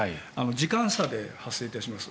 時間差で発生いたします。